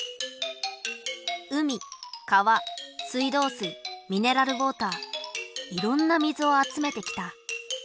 海川水道水ミネラルウォーターいろんな水を集めてきた。